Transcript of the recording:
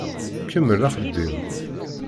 Kemmel axeddim!